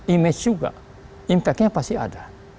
image juga impactnya pasti ada